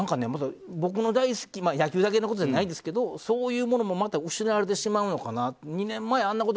僕の大好きな野球だけのことじゃないですけどそういうものもまた失われてしまうのかな。